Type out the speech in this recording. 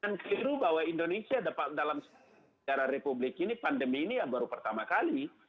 dan keliru bahwa indonesia dalam secara republik ini pandemi ini baru pertama kali